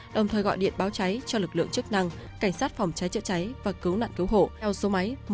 đồng thời gọi điện báo cháy cho lực lượng chức năng cảnh sát phòng cháy chữa cháy và cấu nạn cấu hộ theo số một trăm một mươi bốn